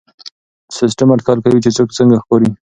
سیسټم اټکل کوي چې څوک څنګه ښکاري.